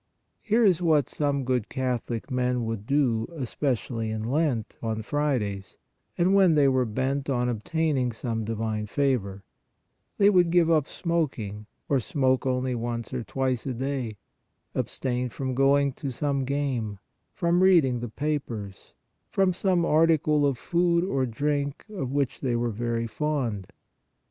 Here is what some good Catholic men would do especially in Lent, on Fridays, and when they were bent on obtaining some divine favor : they would give up smoking, or smoke only once or twice a day, abstain from going to some game, from reading the papers, from some article of food or drink of which they were very fond.